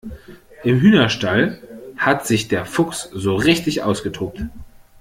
Im Hühnerstall hat sich der Fuchs so richtig ausgetobt.